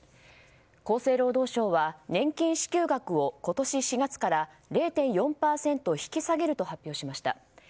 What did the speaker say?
厚生労働省は年金支給額を今年４月から０．４％引き下げると発表しました。